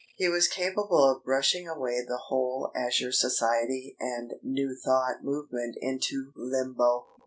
He was capable of brushing away the whole Azure Society and New Thought movement into limbo.